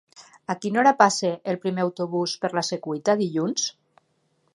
A quina hora passa el primer autobús per la Secuita dilluns?